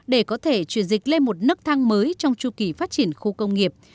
để có thể chuyển dịch lên một nức thang mới trong chu kỳ phát triển khu công nghiệp